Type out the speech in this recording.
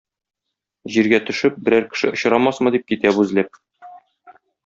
Җиргә төшеп, берәр кеше очрамасмы дип, китә бу эзләп.